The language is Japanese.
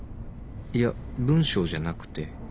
いや文章じゃなくて。